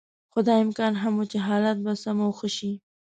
خو دا امکان هم و چې حالات به سم او ښه شي.